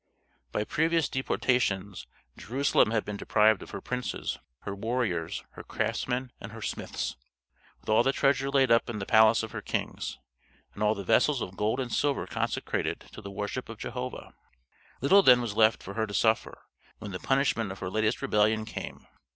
By previous deportations Jerusalem had been deprived of her princes, her warriors, her craftsmen, and her smiths, with all the treasure laid up in the palace of her kings, and all the vessels of gold and silver consecrated to the worship of Jehovah. Little then was left for her to suffer, when the punishment of her latest rebellion came.